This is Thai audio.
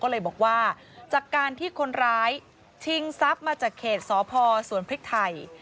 ก็เลยบอกว่าจากการที่คนร้ายชิงทรัพย์มาจากเขตสพสวนพริกไทย